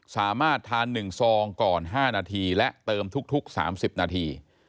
สามารถทาน๑ซองก่อน๕นาทีและเติมทุก๓๐นาที